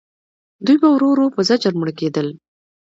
دوی به ورو ورو په زجر مړه کېدل.